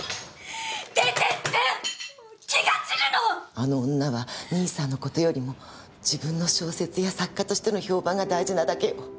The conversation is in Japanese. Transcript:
あの女は兄さんの事よりも自分の小説や作家としての評判が大事なだけよ。